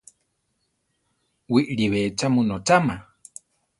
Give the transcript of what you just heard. Wiʼlibé cha mu nocháma?